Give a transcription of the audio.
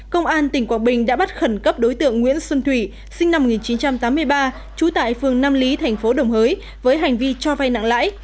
công an tỉnh quảng bình đã bắt khẩn cấp đối tượng nguyễn xuân thủy sinh năm một nghìn chín trăm tám mươi ba trú tại phường nam lý thành phố đồng hới với hành vi cho vay nặng lãi